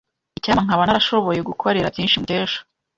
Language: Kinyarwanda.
Icyampa nkaba narashoboye gukorera byinshi Mukesha.